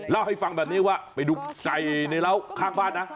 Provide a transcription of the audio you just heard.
เล่าให้ฟังแบบนี้ว่าไปดูไก่ในร้าวข้างบ้านนะ